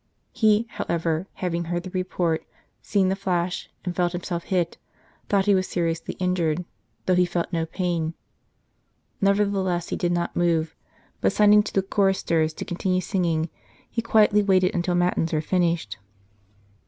He, however, having heard the report, seen the flash, and felt himself hit, thought he was seriously injured, though he felt no pain ; never theless he did not move, but, signing to the choristers to continue singing, he quietly waited until Matins were finished.